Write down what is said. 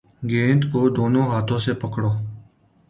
گیند کو دونوں ہاتھوں سے پکڑو